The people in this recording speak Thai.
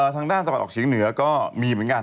ทางด้านสมัครออกชีวิตเหนือก็มีเหมือนกัน